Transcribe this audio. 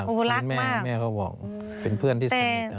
คุณแม่เขาบอกเป็นเพื่อนที่สนิท